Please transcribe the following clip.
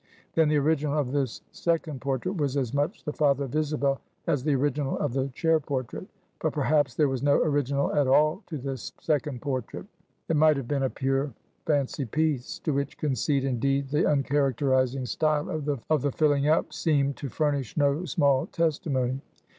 Then, the original of this second portrait was as much the father of Isabel as the original of the chair portrait. But perhaps there was no original at all to this second portrait; it might have been a pure fancy piece; to which conceit, indeed, the uncharacterizing style of the filling up seemed to furnish no small testimony.